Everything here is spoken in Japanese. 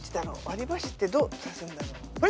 割り箸ってどう刺すんだろう？